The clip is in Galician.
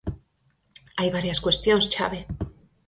Hai varias cuestións chave.